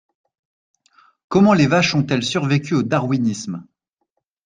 Comment les vaches ont-elles survécu au Darwinisme?